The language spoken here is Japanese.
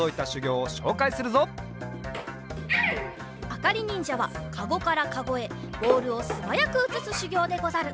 あかりにんじゃはかごからかごへボールをすばやくうつすしゅぎょうでござる。